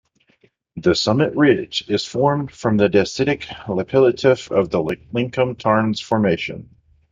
The summit ridge is formed from the dacitic lapilli-tuff of the Lincomb Tarns Formation.